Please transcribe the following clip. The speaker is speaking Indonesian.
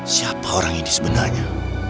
siapa orang ini sebenarnya